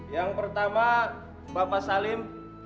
yang pertama bapak salim